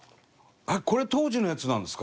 これ、当時のやつなんですか？